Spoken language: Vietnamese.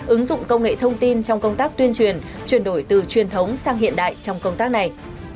ứng dụng công nghệ thông tin trong công tác tuyên truyền chuyển đổi từ truyền thống sang hiện đại trong công tác này